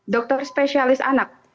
dokter spesialis anak